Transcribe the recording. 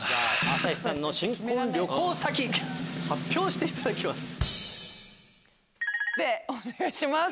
朝日さんの新婚旅行先発表していただきます。